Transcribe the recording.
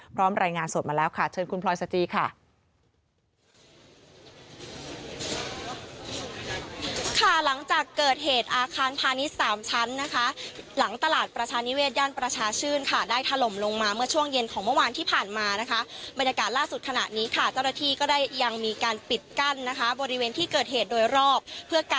พร้อมรายงานสดมาแล้วค่ะเชิญคุณพลอยสจีริฐศิลป์ค่ะ